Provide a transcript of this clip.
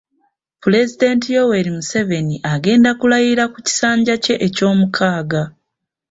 Pulezidenti Yoweri Museveni agenda kulayira ku kisanja kye eky'omukaaga.